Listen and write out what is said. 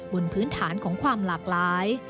บนพื้นฐานของความหลากหลาย